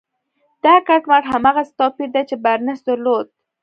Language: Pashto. دا کټ مټ هماغسې توپير دی چې بارنس درلود.